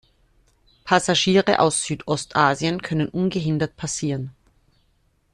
Passagiere aus Südostasien können ungehindert passieren.